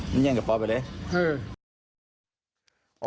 มันแย่งกระเป๋าไปเลย